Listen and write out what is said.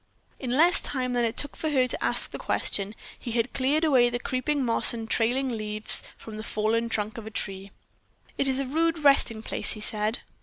In less time than it took her to ask the question, he had cleared away the creeping moss and trailing leaves from the fallen trunk of a tree. "It is a rude resting place," he said.